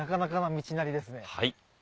はい。